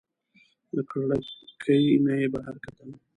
له کړکۍ نه یې بهر کتل.